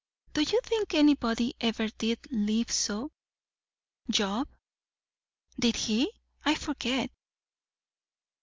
"Do you think anybody ever did live so?" "Job." "Did he! I forget."